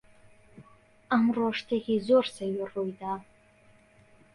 ئەمڕۆ شتێکی زۆر سەیر ڕووی دا.